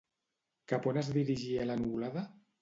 Cap on es dirigia la nuvolada?